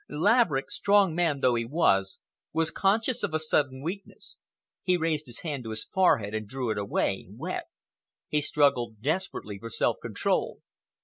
Laverick, strong man though he was, was conscious of a sudden weakness. He raised his hand to his forehead and drew it away—wet. He struggled desperately for self control.